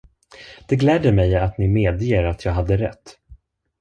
Det gläder mig att ni medger att jag hade rätt.